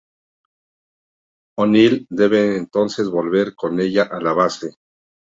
O'Neill debe entonces volver con ella a la base.